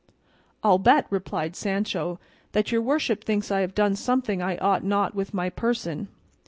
"I'll bet," replied Sancho, "that your worship thinks I have done something I ought not with my person."